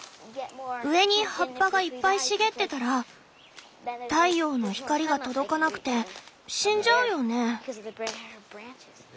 上に葉っぱがいっぱい茂ってたら太陽の光が届かなくて死んじゃうよね。